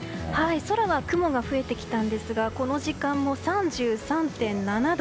空は雲が増えてきたんですがこの時間も３３．７度。